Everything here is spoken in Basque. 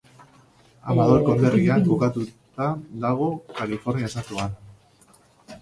Amador konderrian kokatuta dago, Kalifornia estatuan.